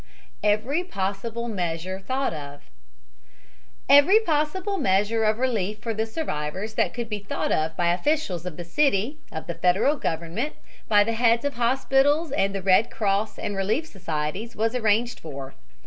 EVERY POSSIBLE MEASURE THOUGHT OF Every possible measure of relief for the survivors that could be thought of by officials of the city, of the Federal Government, by the heads of hospitals and the Red Cross and relief societies was arranged for.